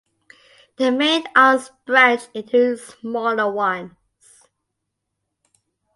The main arms branch into smaller ones.